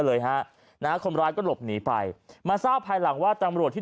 เลยฮะนะคนร้ายก็หลบหนีไปมาทราบภายหลังว่าตำรวจที่